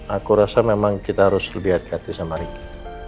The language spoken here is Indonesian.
aku rasa memang kita harus lebih hati hati sama ricky